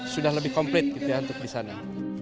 sudah lebih komplit untuk di sana